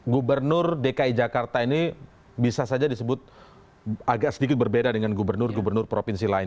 gubernur dki jakarta ini bisa saja disebut agak sedikit berbeda dengan gubernur gubernur provinsi lain